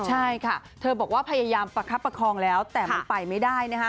ใช่ค่ะเธอบอกว่าพยายามประคับประคองแล้วแต่มันไปไม่ได้นะคะ